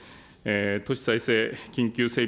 都市再生緊急整備